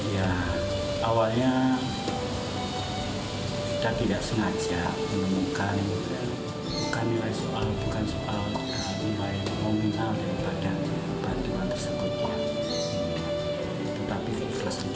ya awalnya kita tidak sengaja menemukan bukan nilai soal bukan soal bukan nilai komunal daripada nilai komunal tersebut